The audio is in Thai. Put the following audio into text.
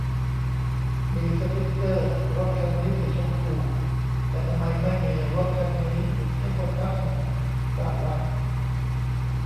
มีสติกเกอร์ "รถคันนี้สีชมพู" แต่ทำไมไม่มี "รถคันนี้หยุดให้คนข้ามถนน" บ้างวะ